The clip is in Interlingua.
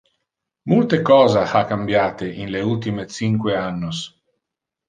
Multe cosas ha cambiate in le ultime cinque annos.